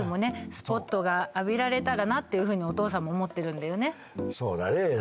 スポットが浴びられたらなっていうふうにお義父さんも思ってるんだよね